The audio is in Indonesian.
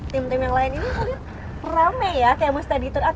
tim tim yang lain ini aku lihat